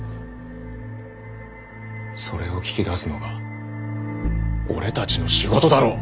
それを聞き出すのが俺たちの仕事だろ。